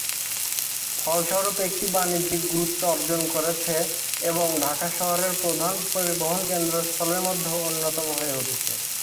ফলস্বরূপ, এলাকাটি বাণিজ্যিক গুরুত্ব অর্জন করেছে এবং ঢাকা শহরের প্রধান পরিবহন কেন্দ্রস্থলের মধ্যে অন্যতম হয়ে উঠেছে।